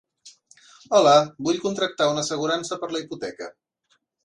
Hola, vull contractar una assegurança per la hipoteca.